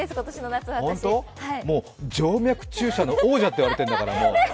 静脈注射の王者と言われてるんだから。